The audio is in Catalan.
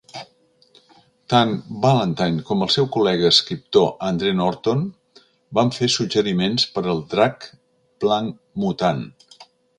Tant Ballantine com al seu col·lega escriptor Andre Norton van fer suggeriments per al drac blanc mutant.